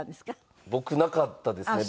僕なかったですね。